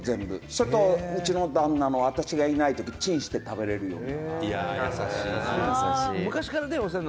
「それと、うちの旦那も私がいない時チンして食べれるように」